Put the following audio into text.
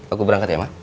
aku berangkat ya ma